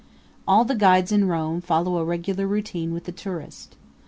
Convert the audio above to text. All the guides in Rome follow a regular routine with the tourist.